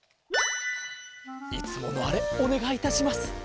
いつものあれおねがいいたします。